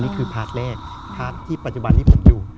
พาร์ทแรกพาร์ทที่ปัจจุบันที่ผมอยู่